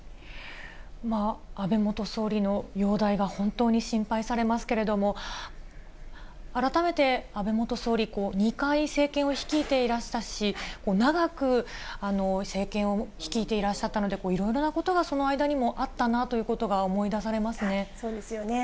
安倍元総理の容体が本当に心配されますけれども、改めて安倍元総理、２回、政権を率いていらしたし、長く政権を率いていらっしゃったので、いろいろなことがその間にもあったなということが思い出されますそうですよね。